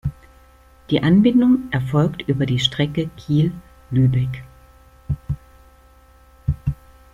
Die Anbindung erfolgt über die Strecke Kiel–Lübeck.